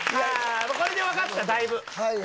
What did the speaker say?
これで分かっただいぶ。